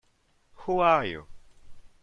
Who Are You?